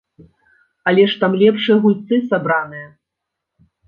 Але ж там лепшыя гульцы сабраныя!